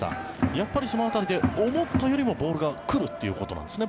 やっぱりその辺りで思ったよりもボールが来るということなんですね